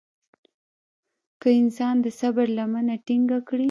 که انسان د صبر لمنه ټينګه کړي.